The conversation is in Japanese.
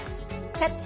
「キャッチ！